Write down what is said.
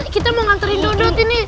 kita mau nganterin dodot ini